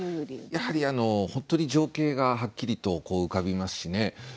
やはり本当に情景がはっきりと浮かびますしね。